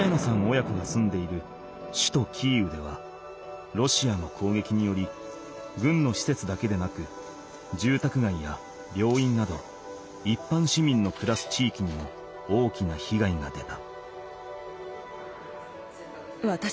親子が住んでいる首都キーウではロシアの攻撃により軍の施設だけでなくじゅうたくがいや病院などいっぱん市民の暮らす地域にも大きなひがいが出た。